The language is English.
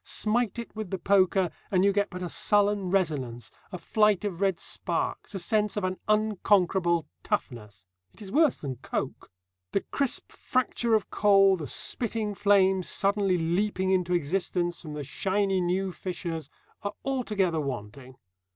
Smite it with the poker, and you get but a sullen resonance, a flight of red sparks, a sense of an unconquerable toughness. It is worse than coke. The crisp fracture of coal, the spitting flames suddenly leaping into existence from the shiny new fissures, are altogether wanting.